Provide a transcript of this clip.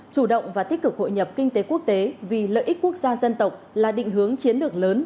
chủ động và tích cực hội nhập kinh tế quốc tế vì lợi ích quốc gia dân tộc là định hướng chiến lược lớn